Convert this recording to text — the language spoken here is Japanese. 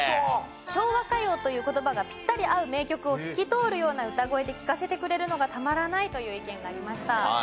昭和歌謡という言葉がピッタリ合う名曲を透き通るような歌声で聴かせてくれるのがたまらないという意見がありました。